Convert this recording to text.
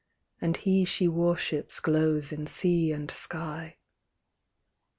And he she worships glows in sea and sky.